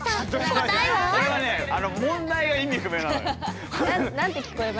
これはね問題が意味不明なのよ。